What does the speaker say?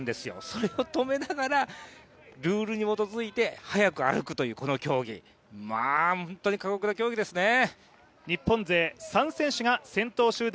それを止めながらルールに基づいて速く歩くというこの競技、本当に過酷な競技ですね